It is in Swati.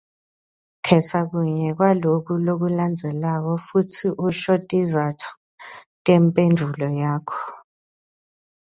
Khetsa kunye kwaloku lokulandzelako futsi usho tizatfu temphendvulo yakho.